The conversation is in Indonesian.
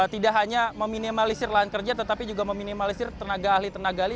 tidak hanya meminimalisir lahan kerja tetapi juga meminimalisir tenaga ahli tenaga ahli